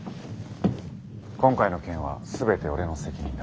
今回の件は全て俺の責任だ。